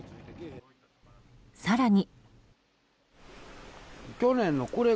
更に。